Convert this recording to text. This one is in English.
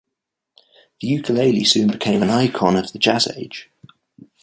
The ukulele soon became an icon of the Jazz Age.